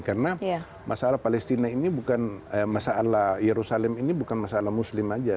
karena masalah yerusalem ini bukan masalah muslim saja